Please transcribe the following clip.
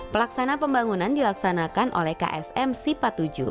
pelaksanaan pembangunan dilaksanakan oleh ksm sipa tujuh